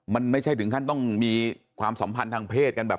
มันไม่ใช่ถึงขั้นต้องมีความสัมพันธ์ทางเพศกันแบบ